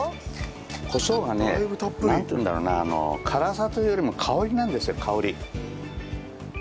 コショウがねなんていうんだろうな辛さというよりも香りなんですよ香り。